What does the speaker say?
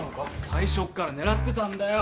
最初から狙ってたんだよ。